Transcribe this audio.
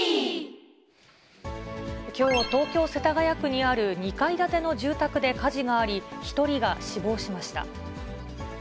きょう、東京・世田谷区にある２階建ての住宅で火事があり、１人が死亡しました。